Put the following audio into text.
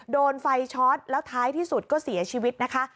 โดนไฟช็อตแล้วท้ายที่สุดก็เสียชีวิตนะคะ